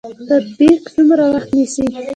تطبیق څومره وخت نیسي؟